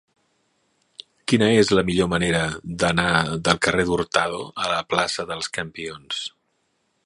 Quina és la millor manera d'anar del carrer d'Hurtado a la plaça dels Campions?